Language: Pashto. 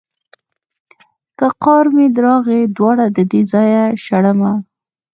که قار مې راغی دواړه ددې ځايه شړمه.